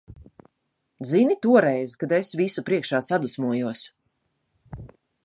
Zini, toreiz, kad es visu priekšā sadusmojos?